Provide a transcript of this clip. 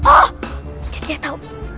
oh gitu dia tau